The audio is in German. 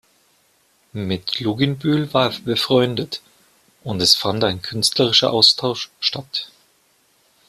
Mit Luginbühl war er befreundet, und es fand ein künstlerischer Austausch statt.